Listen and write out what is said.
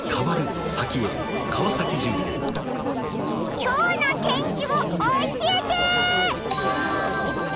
今日の天気を教えて！